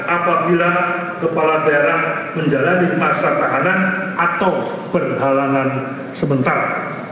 apabila kepala daerah menjalani masa tahanan atau berhalangan sementara